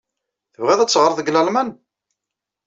Tebɣiḍ ad teɣreḍ deg Lalman?